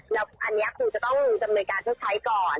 แล้วอันนี้คงจะต้องดำเนินการชดใช้ก่อน